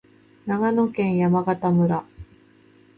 長野県山形村